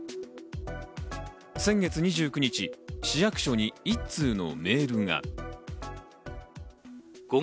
先月２９日、市役所に一通のメールが。